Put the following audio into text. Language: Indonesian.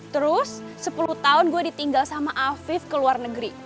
terus sepuluh tahun gue ditinggal sama afif ke luar negeri